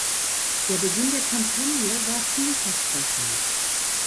Der Beginn der Kampagne war vielversprechend.